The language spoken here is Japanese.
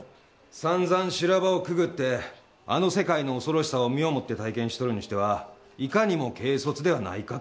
散々修羅場をくぐってあの世界の恐ろしさを身をもって体験しとるにしてはいかにも軽率ではないかと。